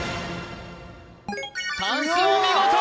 たんすお見事！